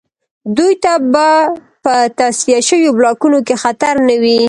دوی ته به په تصفیه شویو بلاکونو کې خطر نه وي